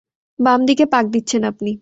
বাম দিকে পাক দিচ্ছেন আপনি।